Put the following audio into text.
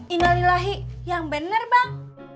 innalillahi yang bener bang